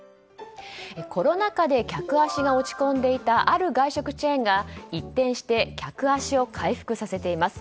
コロナ禍で客足が落ち込んでいたある外食チェーンが一転して客足を回復させています。